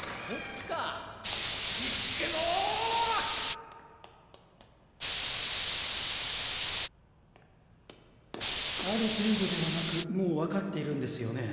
・コツコツコツある程度ではなくもう分かっているんですよね？